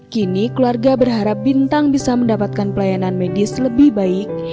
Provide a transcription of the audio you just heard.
kini keluarga berharap bintang bisa mendapatkan pelayanan medis lebih baik